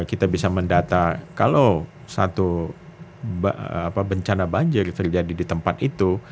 kita bisa mendata kalau satu bencana banjir terjadi di tempat itu